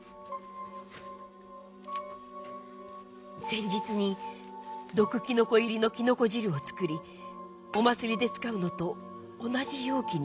前日に毒キノコ入りのキノコ汁を作りお祭りで使うのと同じ容器に入れて。